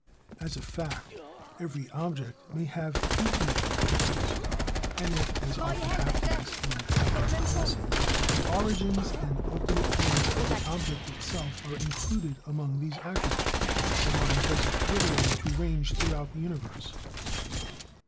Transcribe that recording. As a fact, every object may have infinite attributes; and if, as often happens in object lessons, the origins and ultimate ends of the object itself are included among these attributes, the mind has literally to range throughout the universe.